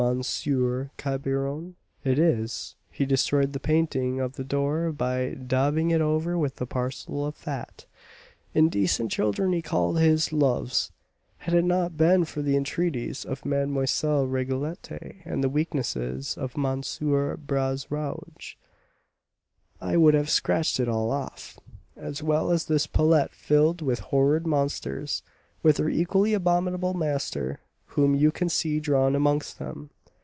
Cabrion?" "It is; he destroyed the painting of the door by daubing it over with a parcel of fat, indecent children he called his loves. Had it not been for the entreaties of Mlle. Rigolette, and the weakness of M. Bras Rouge, I would have scratched it all off, as well as this palette filled with horrid monsters, with their equally abominable master, whom you can see drawn amongst them.